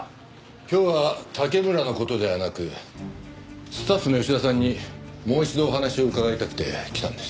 今日は竹村の事ではなくスタッフの吉田さんにもう一度お話を伺いたくて来たんです。